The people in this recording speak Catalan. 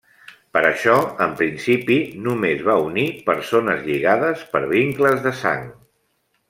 Per això, en principi, només va unir persones lligades per vincles de sang.